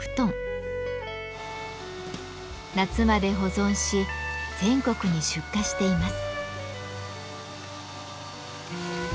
夏まで保存し全国に出荷しています。